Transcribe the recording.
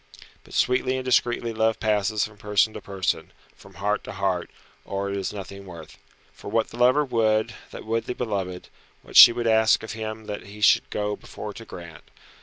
But sweetly and discreetly love passes from person to person, from heart to heart, or it is nothing worth. For what the lover would, that would the beloved; what she would ask of him that should he go before to grant.